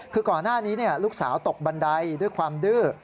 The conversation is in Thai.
คือก่อนหน้านี้ลูกสาวตกบันไดด้วยความดื้อ